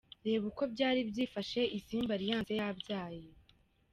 Reba uko byari byifashe Isimbi Alliance yabyaye.